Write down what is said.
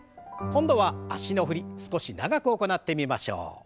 今度は脚の振り少し長く行ってみましょう。